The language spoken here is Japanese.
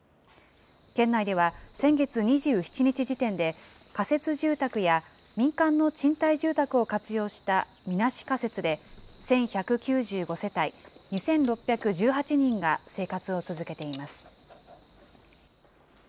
県内では先月２７日時点で、仮設住宅や民間の賃貸住宅を活用したみなし仮設で１１９５世帯２６１８人が生活を続けています。